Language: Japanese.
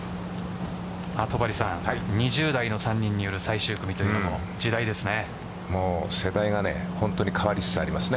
戸張さん、２０代の３人による最終組というのも時代ですね。